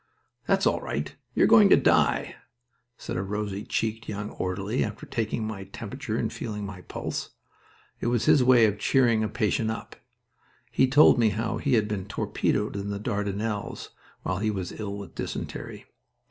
"That's all right. You're going to die!" said a rosy cheeked young orderly, after taking my temperature and feeling my pulse. It was his way of cheering a patient up. He told me how he had been torpedoed in the Dardanelles while he was ill with dysentery.